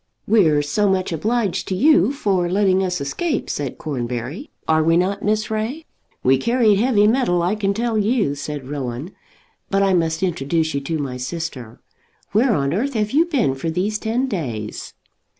"We're so much obliged to you for letting us escape," said Cornbury; "are we not, Miss Ray?" "We carried heavy metal, I can tell you," said Rowan. "But I must introduce you to my sister. Where on earth have you been for these ten days?"